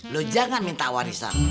lu jangan minta warisan